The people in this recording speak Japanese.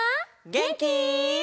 げんき？